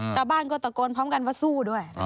ชาวบ้านก็ตะโกนพร้อมกันว่าสู้ด้วย